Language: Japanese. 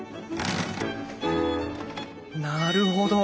なるほど。